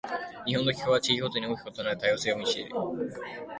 日本の気候は、地域ごとに大きく異なる多様性に満ちています。